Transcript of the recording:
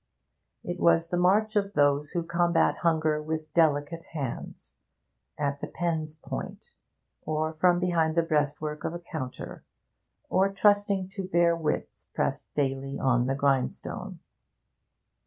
It was the march of those who combat hunger with delicate hands: at the pen's point, or from behind the breastwork of a counter, or trusting to bare wits pressed daily on the grindstone.